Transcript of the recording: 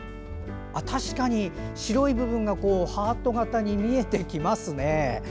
確かに白い部分がハート形に見えてきますね。